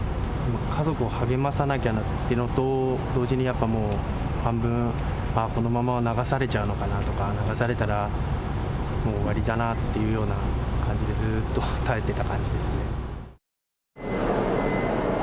家族を励まさなきゃなっていうのと、同時にやっぱりもう、半分、ああ、このまま流されちゃうのかなとか、流されたらもう終わりだなっていうような感じでずっと耐えてた感じですね。